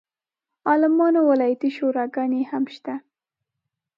عالمانو ولایتي شوراګانې هم شته.